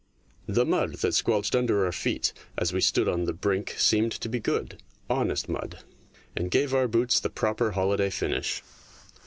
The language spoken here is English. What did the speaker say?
The mud that squelched under our feet as we stood on the brink seemed to be good, honest mud, and gave our boots the proper holiday finish.